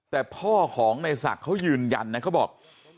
แต่พ่อของในศักดิ์เขายืนยันนะเขาบอก